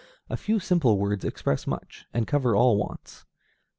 A few simple words express much, and cover all wants.